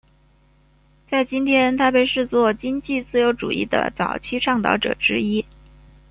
在今天他被视作经济自由主义的早期倡导者之一。